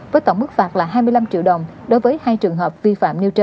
với tổng bức phạt là hai mươi năm triệu đồng đối với hai trường hợp vi phạm như trên